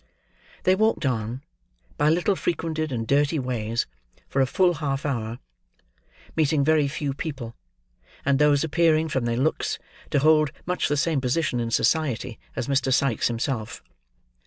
They walked on, by little frequented and dirty ways, for a full half hour: meeting very few people, and those appearing from their looks to hold much the same position in society as Mr. Sikes himself.